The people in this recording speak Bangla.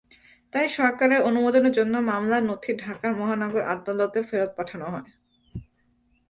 তাই সরকারের অনুমোদনের জন্য মামলার নথি ঢাকার মহানগর আদালতে ফেরত পাঠানো হয়।